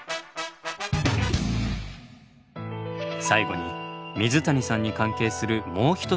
最後に水谷さんに関係するもう一つのものをご紹介。